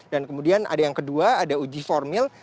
dan kemudian ada yang kedua ada uji formil